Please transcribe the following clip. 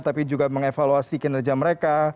tapi juga mengevaluasi kinerja mereka